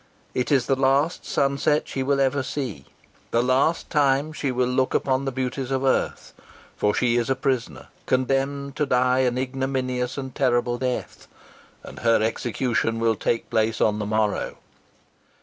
It is the last sunset she will ever see the last time she will look upon the beauties of earth; for she is a prisoner, condemned to die an ignominious and terrible death, and her execution will take place on the morrow.